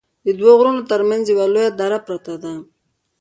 ددوو غرونو تر منځ یوه لویه دره پراته ده